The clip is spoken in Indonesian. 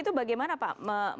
itu bagaimana pak